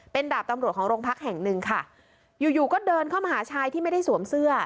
เป็นดาบตำรวจของโรงพักแห่งหนึ่งค่ะอยู่อยู่ก็เดินเข้ามาหาชายที่ไม่ได้สวมเสื้อ